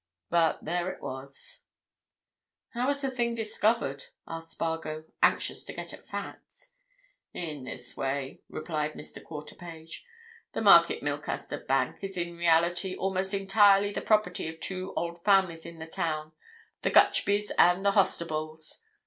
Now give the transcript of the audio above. But there it was!" "How was the thing discovered?" asked Spargo, anxious to get at facts. "In this way," replied Mr. Quarterpage. "The Market Milcaster Bank is in reality almost entirely the property of two old families in the town, the Gutchbys and the Hostables.